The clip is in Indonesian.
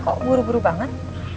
kok buru buru banget